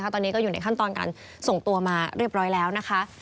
ตอนนี้ก็อยู่ในขั้นตอนการส่งตัวมาเรียบร้อยแล้วนะคะ